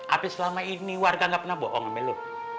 abis selama ini warga gak pernah bohong sama lo